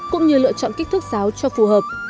cũng như lựa chọn kích thước sáo cho phù hợp